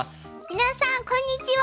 皆さんこんにちは。